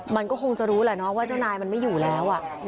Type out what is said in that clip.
มันก็คงจะรู้แหละเนาะว่าเจ้านายมันไม่อยู่แล้ว